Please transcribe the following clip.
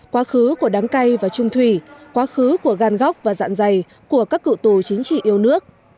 quá khứ của đám cay và trung thủy quá khứ của gan góc và dạn dày của các cựu tù chính trị yêu nước